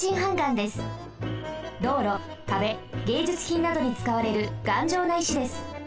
どうろかべげいじゅつひんなどにつかわれるがんじょうな石です。